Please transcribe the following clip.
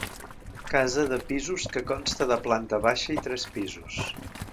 Casa de pisos que consta de planta baixa i tres pisos.